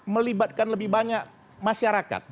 melibatkan lebih banyak masyarakat